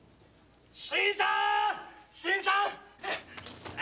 ・新さん！